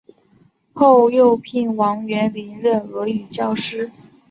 后又聘王元龄任俄语教师。